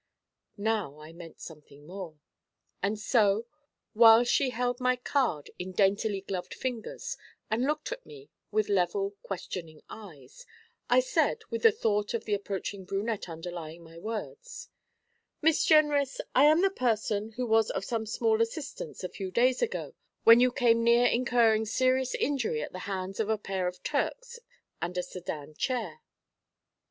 Now I meant something more; and so, while she held my card in daintily gloved fingers and looked at me with level, questioning eyes, I said, with the thought of the approaching brunette underlying my words: 'Miss Jenrys, I am the person who was of some small assistance a few days ago when you came near incurring serious injury at the hands of a pair of Turks and a sedan chair.'